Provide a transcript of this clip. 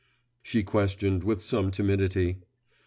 she questioned with some timidity.